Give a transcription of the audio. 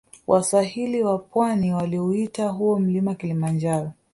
Waswahili wa pwani waliuita huo mlima kilimanjaro